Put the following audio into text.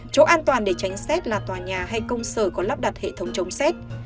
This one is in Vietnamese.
chỗ an toàn để tránh xét là tòa nhà hay công sở có lắp đặt hệ thống chống xét